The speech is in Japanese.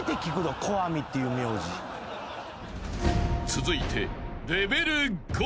［続いて］